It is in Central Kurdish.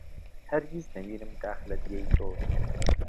هەرگیز نەوینم داخ لە دییەی تۆ